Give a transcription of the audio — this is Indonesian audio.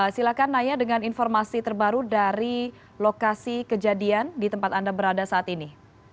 silakan naya dengan informasi terbaru dari lokasi kejadian di tempat anda berada saat ini